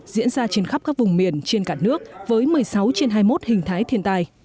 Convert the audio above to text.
diễn ra trên khắp các vùng miền trên cả nước với một mươi sáu trên hai mươi một hình thái thiên tai